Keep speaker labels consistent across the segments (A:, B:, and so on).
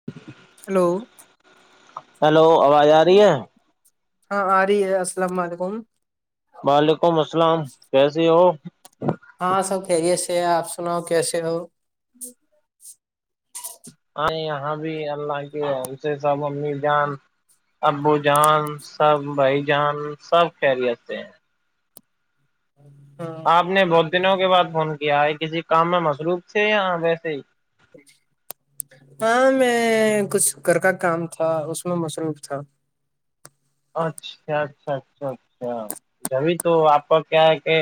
A: [unintelligible]
B: hello
A: hello آواز آ رہی ہے
B: ہاں ارہی ہے السلام علیکم ہاں ارہی ہے السلام م
A: وعلیکم السلام کیسیے ہو
B: ہاں سب خریے سے ہے آپ سناؤ کیسے ہو
A: ہاں یہاں بھی اللہ کے ہم سے سب امی جان ابو جان سب بھائی جان سب خریتے ہیں
B: ہ ہاں
A: آپ نے بہت دنوں کے بعد فون کیا ہے کسی کام میں مصروف تھے یااں ویسے ہی
B: ہاں میں کچھ گھر کا کام تھا اس میں مصروف تھا
A: اچھا اچھا اچھا اچھا جب تو آپ کیا ہے کہ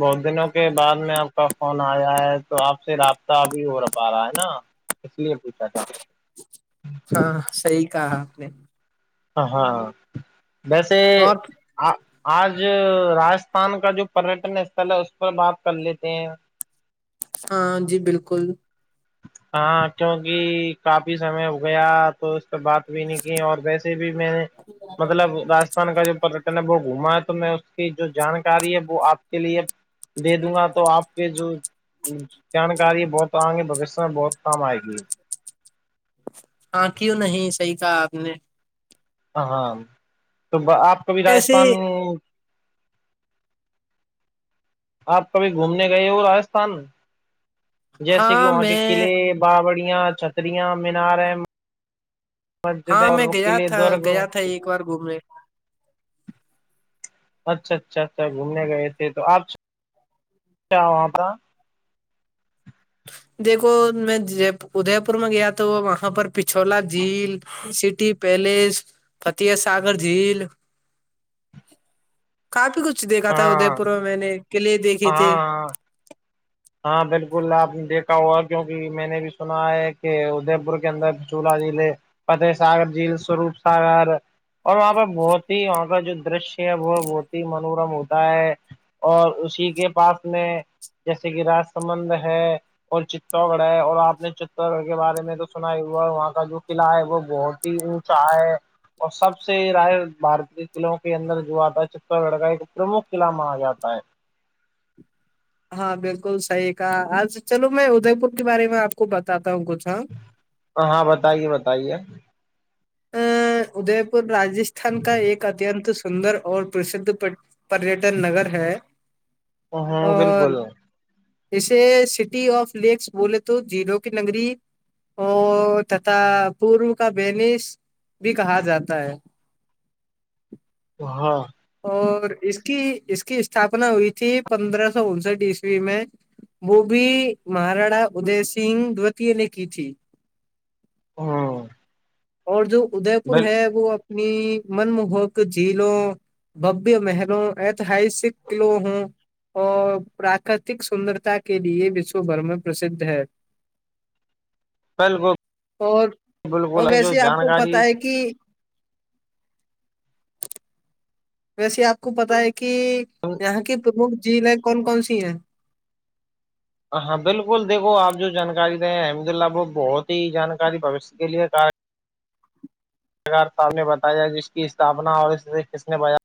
A: بہت دنوں کے بعد میں آپ کا فون آیا ہے تو آپ سے رابطہ اب ہو رہ پا رہا ہے نا اس لیے پوچھا تھا [unintelligible]
B: ہاں صحی کہا اپ نے
A: ہاں ہاں ویسے
B: اور
A: آ آج راجستھان کا جو پریٹن اسھل ہے اس پر بات کر لیتے ہیں
B: ہاں جی بالکل
A: ہاں کیوںکہ کافی سمے گیا تو اس پ بات بھی نہیں کی اور وس بھی میں نے مطلب رجستھان کا جو پٹن ہے وہ گھوما ہے تو میں کی جو جانکاری ہے وہ آپ کے لیے دے دوں گا تو آپ کے جو جانکاری بہت آئیں گے ب بہت کم آئے گی
B: ہاں کیوں نہیں صحیح کہا آپ نے
A: ہ ہاں تو آپ کو بھیھی
B: ایسے
A: راجستھان آپ کبھی گھومنے گئے ہو راجستھان جیسے کہ
B: ہاں
A: وہاں کے
B: میں
A: قلعے باابڑیاں چھتریاں میناریں مسجدہ
B: ہاں
A: اور
B: میں
A: رکی
B: گیا
A: لیے
B: تھا
A: دورگو
B: گیا تھا ایک بار گھومنے
A: اچھا اچھا اچھا گھومنے گئے تھے تو آپ کیا وہاں پر
B: دیکھو میں ادے پور میں گیا تو وہاں پر پچھولا جھیل سٹی پیلس فتیح ساگر جھیل کافی کچھ دیکھا تھا ادے
A: ہاں
B: پور میں میں نے قلے دیکھے تھے
A: ہاں ہاں بالکل آپ نے دیکھا ہوا کیوںکہ میں نے بھی سنا ہے کہ ادے پور کے اندر چولہ ضلع فتح ساگر جیل سوروپ ساگر اور وہاں پہ بہت ہی وہاں کا جو درشیہ ہے وہ بہت ہی منورم ہوتا ہے اور اسی کے پاس میں جیسے کہ رج سمبند ہے اور چتو گڑھ ہے اور آپ نے چتو گڑھ کے بارے میں تو سنا ہی ہوا وہاں کا جو قلعہ ہے وہ بہت ہی اونچا [unintelligible] اور سب سے رائے بارتی قلعوں کے اندر جو آتا ہے چر گڑکا ایک پرمکھ قلعہ مانا جاتا ہے
B: ہاں بالکل صحیح کہ آج چلو میں ادے پور کے بارے میں آپ کو بتاتا ہوں کچھ ہاں
A: ہاں بتائیے بتائیے
B: د پھان راجستھان کا ایک ا سندر اور پرسدھ پریٹن نگر ہے
A: ہاں
B: اور
A: بالکل
B: اسے سٹی آف لیکس بولے تو جلو کی نگری او تتا پوروروک بینس بھی کہا جاتا ہے
A: ہاں
B: اور اس کی اس کی استھاپنا ہوئی تھی پندرہ سو انسٹھ عسوی میں وہ بھی مہاراڑا ادے سنگ دوتییہ نے کی تھی
A: ہاں
B: اور جو ادے پور
A: بال
B: ہے وہ اپنی من موہک جھیلوں ببیہ محلوں ایتہاسک قلو ہوں اور پراکرتک سندرتا کے لیے وشو بھر میں پرسدھ ہے
A: بالکل
B: اور وہ
A: بالکل جو
B: ویسے آپ کو پت
A: جانکاری
B: ہے کہ ویسے آپ کو پتا ہے کہ یہاں کی پرمکھ جضلیں کون کون سی ہیں
A: ہ ہاں بالکل دیکو آپ جو جانکاری رہیں ہیں احمد اللہ ب بہت ہی جانکاری بوشیہ کے لیے سکار سامنے بتایا جس کی استھپنا اور اسے کس نے بیا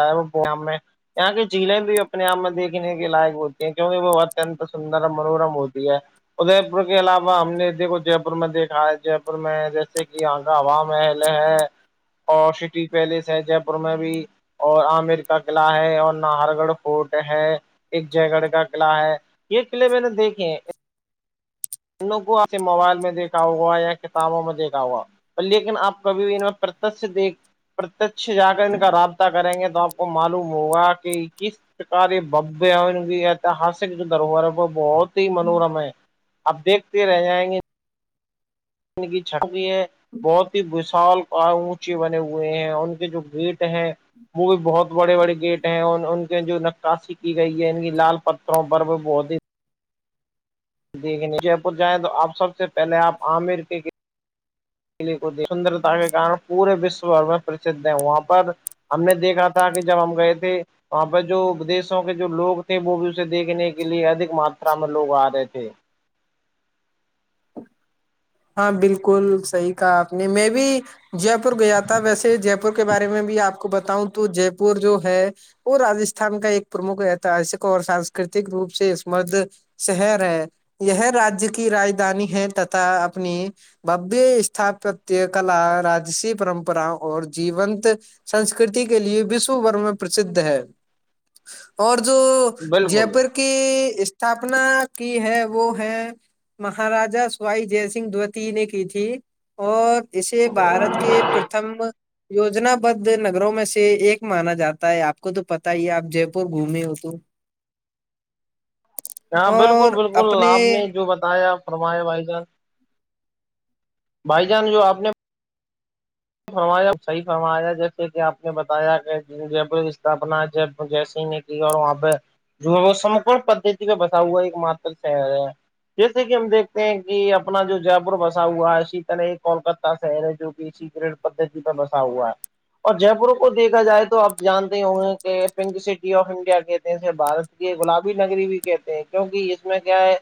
A: س میں یہاں کی جھیلیں بھی اپنے آپ میں دیکھنے کے لائق ہوتی ہیں کیونکہ وہ اتنت سندر اور منورم ہوتی ہے ادے پور کے علاوہ ہم نے دیکھو جے پور میں دیکھا ہے جے پور میں جیسے کہ یہاں کا عوام محل ہے اور سٹی پیلس ہے جے پور میں بھی اور عمر کا قلع ہے اور نہاہر گڑھ فورٹ ہے ایک جے گڑھ کا قلع ہے یہ قلعے میں نے دیکھے ہیں ان لوگ کو آپ سے موبائل میں دیکھا ہوگا یا کتابوں میں دیکھا ہوگا لیکن آپ کبھی بھی ان میں پرتش دیکھ پرتش جا کر ان کا رابطہ کریں گے تو آپ کو معلوم ہوگا کہ کس شکاری بب ہے کی اتہاسک جو دروہر ہے وہ بہت ہی منوورم ہے اپ دیکھتے رہ جائیں گے زندگی چھٹ ہوئی ہے بہت ہی وشال اونچے بنے ہوئے ہیں ان کے جو بیٹ ہیں وہ بھی بہت بڑے بڑے گیٹ ہیں اور ان کے جو نقاسیی کی گئی ہے ان کی لال پتھروں پر بھی بہت ہی دیکھیں جے پور جائیں تو آپ سب سے پہلے آپ عامر کے سندرتا کے کارن پورے وشو بھر میں پرسدھ ہے وہاں پر ہم نے دیکھا تھا کہ جب ہم گئے تھے وہاں پہ جودیشوں کے جو لوگ تھے وہ بھی اسے دیکھنے کے لیے ادک ماترا میں لوگ آ رہے تھے
B: ہاں بالکل صحیح کہا آپ نے میں بھی جے پور گیا تھا ویسے جے پور کے بارے میں بھی آپ کو بتاؤں تو جے پور جو ہے وہ رجستھان کا ایک پرمکھ ایتہسک اور سانسکرتک روپ سے اسمردھ شہر ہے یہ راجیہ کی راجدھانی ہے تتا اپنی ببی اسھپتیہ کلا راجسی پرمپرا اور جیت سنسکرتی کے لیے وشو بھر میں پرسدھ ہے اور جو جے
A: بالکل
B: پور کی اسھاپنا کی ہے وہ ہے مہاراجا سوائی جیس دوتی نے کی تھی اور اسے بھارت کے پرتھم یجنا بھ نگروں میں سے ایک مانا جاتا ہے آپ کو تو پتا ہی آپ جے پور گھومے ہو تو [inaudible]
A: ہاں بالکل
B: اور
A: بالکل
B: اپنے
A: آپ نے جو بتایا فرمایا بھائی جان بھائی جان جو آپ نے ار صحی فمااریا جیسے کہ آپ نے بتایا کہ جب اسپنا ج جسن نے اور وہاں پہ جو ہے وہ سم پدھتی پہ بسا ہوا ایک م شر جیسے کہ ہم دیکھتے ہیں کہ اپنا جو جے پور بسا ہوا ہے شیتل کولکتہ شہ ہے جو کہی پدتی کا بسا ہوا ہے اور جے پور کو دیکھا جائے تو آپ جانتے ہوں گے کہ پنک سٹی آف انڈیا کہتے ہیںے بارت یہ گلابی نگری بھی کہتے ہیں کیونکہ اس میں کیا ہے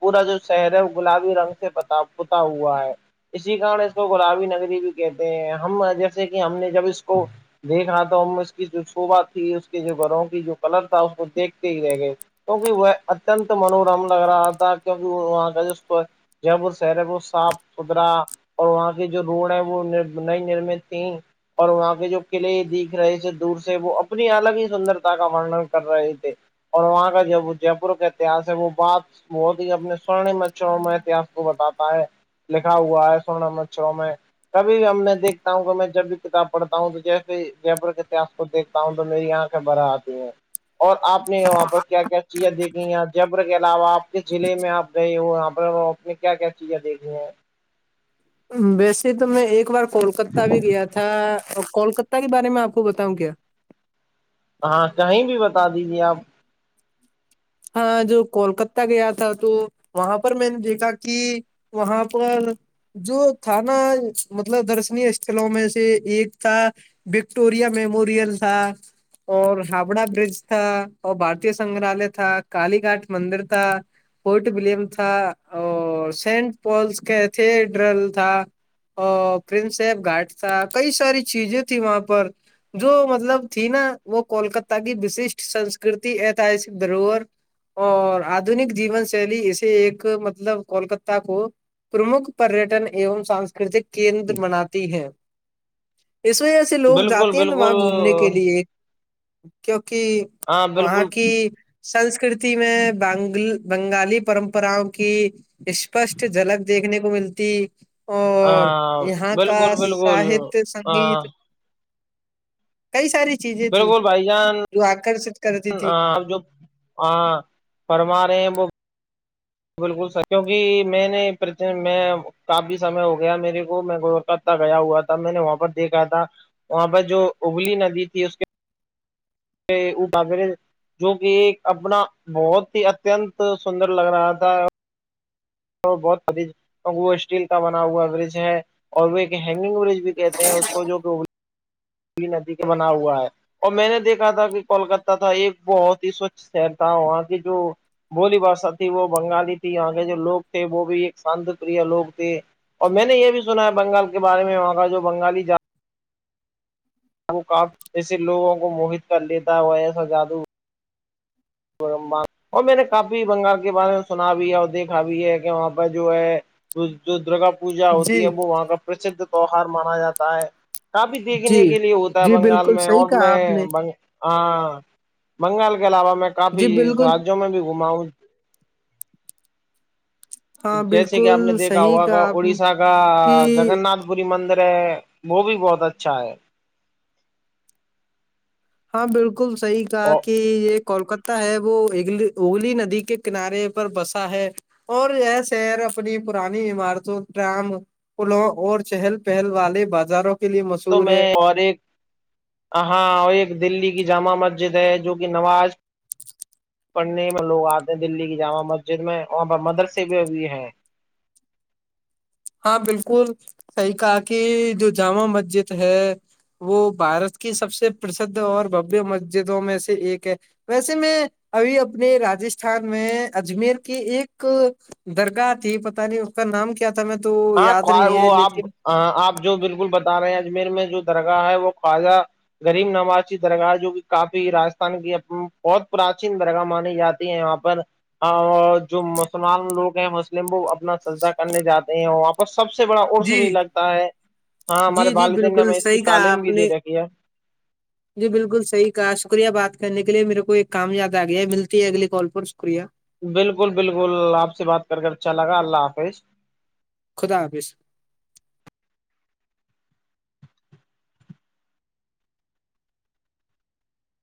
A: پورا جو شہر ہے وہ گلابی رنگ سے پ پتا ہوا ہے اسی کارن اس کو گلابی نگری بھی کہتے ہیں ہم جیسے کہ ہم نے جب اس کو دیکھ رہا تو ہم اس کی جو شوبا تھی اس کے جو گھروں کی جو کلر تھا اس کو دیکھتے ہی رہ گئے کیونکہ وہ اتنت منورم لگ رہا تھا کیکہ وہاں کا ج کو جاں پور شہر ہے کو صاف ستھرا اور وہاں کے جو روڈ ہے وہ وہ نہیں نرمتی اور وہاں کے جو قلع دیکھ رہے تھے دور سے وہ اپنی الگ ہی سندرتا کا وورنن کر رہے تھے اور وہاں کا جب وہ جے پور کا اتہس ہے وہ بات مت ہی اپنے سوورن مچھروں میں اتہس کو بتاتا ہے لکھا ہوا ہے سولہ نمبر چو میں کبھی بھی ا میں دیکھتا ہوں کہ میں جب بھی کتاب پڑھتا ہوں تو جیسے جر کےتس کو دیک بتا ہوں تو میری آنکھیں بھرا آتی ہیں اور آپ نے وہاں پر کیا کیا چیزیں دیکھی ہیں جبر کے علاوہ آپ کے ضلع میں آپ گئے ہو یہاں پر اس میں کیا کیا چیزیں دیکھی ہیں
B: ویسے تو میں ایک بار کولکہ بھی گیا تھا کولک کے بارے میں آپ کو بتاؤں کیا
A: ہاں کہیں بھی بتا دیجیے آپ
B: ہاں جو کولکتہ گیا تھا تو وہاں پر میں نے دیکھا کہ وہاں پر جو تھا نا مطلب درشنی استلوں میں سے ایک تھا وکٹوریا میموریل تھا [unintelligible] اور ہاوڑا برج تھا اور بارتی سنگگرالیہ تھا کالی گاٹ مندر تھا فورٹ ولیم تھا اور سینٹ پالس کا ایتھیڈرل تھا اور پرن صاب گھاٹ تھا کئی ساری چیزیں تھھی وہاں پر جو مطلب تھی نا وہ کولکتا کی وششٹ سنسکرتی ایتسک دروہر اور آدنک جیون شیلی اسے ایک مطلب کولکتاہ کو پرمکھ پریٹن ایوم سانسکرتک کیندر بناتی ہیں اس میں سے لوگ
A: بالکل
B: جاتے ہیں نا وہاں
A: بالکل
B: گھومنے کے لیے کیونک
A: ہاں
B: وہاں
A: بالکل
B: کی سنسکرتی میں بنگل بنگالی پرمپراؤں کی اسپشٹ جھلک دیکھنے کو ملتی اور
A: ہاں
B: یہاں کا
A: بالکل بالکل
B: ساہتیہ
A: ہاں
B: سنگیت کئی ساری چیزیں تھھی
A: بالکل بھائی جان
B: جو آکرش [unintelligible]
A: جو فرما رہے ہیں وہ بالکل سر کیونکہ میں نے میں کافی سمے ہو گیا میرے کو میں کولکتہ گیا ہوا تھا میں نے وہاں پر دیکھا تھا وہاں پر جو ابلی ندی تھی اس کے ابا بیر جو کہ ایک اپنا بہت ہی اتنت سندر لگ رہا تھا تو بہت سدی کیک وہ اسٹیل کا بنا ہوا برج ہے اور وہ ایک ہینگنگ برج بھی کہتے ہیں اس کو جو کہ ندی کے بنا ہوا ہے [unintelligible] اور میں نے دیکھا تھا کہ کولکہ تھا ایک بہت ہی سوچھ شہر تھا وہاں کی جو بولی بھشا تھی وہ بنگالی تھی یہاں کے جو لوگ تھے وہ بھی ایک شانت پر لوگ تھے اور میں نے یہ بھی سنا ہے بنگال کے بارے میں وہاں کا جو بنالی ج کا جسے لووں کو موہت کر لیتا ہے وہ ایسا جادو اور میں نے کافی بنگال کے بارے میں سنا بھی ہے اور دیکھا بھی ہے کہ وہاں پہ جو ہے جو درگا پوجا
B: جی
A: ہوتی ہے وہ وہاں کا پرسھ تہوار مانا جاتا ہے کافی
B: جی
A: دیکھنے کے لیے ہوتا ہے
B: جی
A: بنگال
B: بالکل
A: میں
B: صحیح
A: اور
B: کہا
A: میں
B: آپ نے
A: بگ ہاں بنگال کے علاوہ میں کافی
B: جی بالکل
A: راجوں میں بھی گھما ہوں
B: ہاں
A: جیسے کہ آپ نے
B: بالکل
A: دیکھا
B: صحیح
A: ہوا
B: کہا آپ نے
A: اڑیسہ کا
B: کہ
A: جگن ناتھ پوری مندر ہے وہ بھی بہت اچھا ہے
B: ہاں بالکل صحیح تھا
A: اور
B: کہ یہ کولکہ ہے وہ اگلی اگلی ندی کے کنارے پر بسا ہے اور ہے شیر اپنی پرانی عمارتوں ڈم پلوں اور چہل پہل والے بازاروں کے لیے
A: تو
B: مشہور
A: میں
B: ہے
A: اور ایک ہاں اور ایک دلی کی جامع مسجد ج ہے جو کہ نواز پڑھنے میں لوگ آتے ہیں دلی کی جامع مسجد میں وہاں پہ مدرسے بھی بھی ہیں
B: ہاں بالکل صحیح کہا کہ جو جامع مسجد ہے وہ بارت کی سب سے پرسدھ اور بویہ مسجدوں میں سے ایک ہے ویسے میں ابھی اپنے راستھان میں اجمیر کی ایک درگاہ تھی پتہ نہیں اس کا نام کیا تھا میں تو یاد نہیں ہے لیکن
A: ہ آپ جو بالکل بتا رہے ہیں اجمیر میں جو درگاہ ہے وہ خواجہ غریم نواز کی درگاہ جو کہ کافی رجستھان کی بہت پراچیین درگاہ مانی جاتی ہیں وہاں پر جو مسلمان لوگ ہیں مسلم وہ اپنا سجدا کرنے جاتے نہیں ہ آپ ب سب سے بڑا عرس
B: جی
A: بھی لگتا ہے ہاں ہمارے
B: جی جی
A: والدین نے
B: بالکل
A: ہمیں اس کی
B: صحیح کہا
A: تعلیم
B: آپ
A: بھی دے
B: نے
A: رکھی ہے
B: [unintelligible] جی بالکل صحیح کہا شکریہ بات کرنے کے لیے میرے کو ایک کام یاد آ گیا ہے ملتی ہے اگلی کال پر شکریہ
A: بالکل بالکل آپ سے بات کر کے اچھا لگا اللہ حافظ
B: خدا حافظ